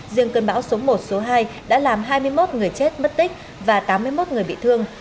riêng cơn bão số một số hai đã làm hai mươi một người chết mất tích và tám mươi một người bị thương